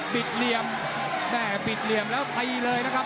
เหลี่ยมแม่บิดเหลี่ยมแล้วตีเลยนะครับ